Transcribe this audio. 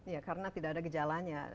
ya karena tidak ada gejalanya